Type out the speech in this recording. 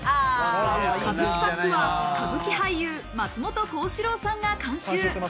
歌舞伎パックは歌舞伎俳優・松本幸四郎さんが監修。